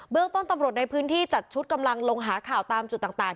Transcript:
ต้นตำรวจในพื้นที่จัดชุดกำลังลงหาข่าวตามจุดต่าง